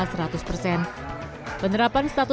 penerapan status pemberdayaan